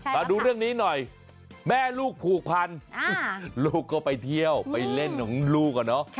มาดูเรื่องนี้หน่อยแม่ลูกผูกพันลูกก็ไปเที่ยวไปเล่นของลูกอะเนาะ